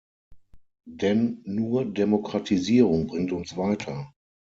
Denn nur Demokratisierung bringt uns weiter.